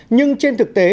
nhưng trên thực tế